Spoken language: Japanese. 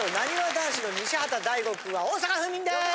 男子の西畑大吾君は大阪府民です！